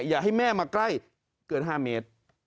อย่าให้แม่มาใกล้เกิน๕เมตร